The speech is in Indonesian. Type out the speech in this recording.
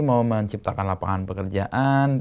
mau menciptakan lapangan pekerjaan